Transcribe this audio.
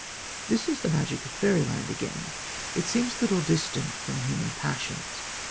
This is the magic of fairyland again. It seems a little distant from human passions.